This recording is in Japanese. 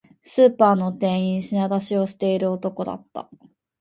スーパーの店員、品出しをしている男だった